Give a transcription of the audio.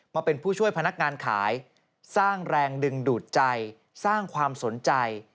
มาเป็นผู้ช่วยพนักงานขายสร้างแรงดึงดูดใจสร้างความสนใจ